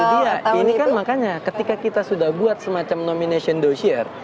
nah itu dia ini kan makanya ketika kita sudah buat semacam nomination dossier